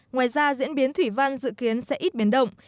ngoài ra diễn biến thủy văn dự kiến sẽ ít biến động